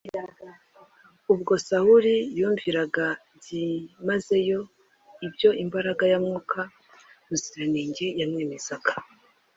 Ubwo Sawuli yumviraga byimazeyo ibyo imbaraga ya Mwuka Muziranenge yamwemezaga,